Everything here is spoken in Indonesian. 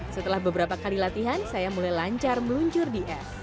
setelah beberapa kali latihan saya mulai lancar meluncur di es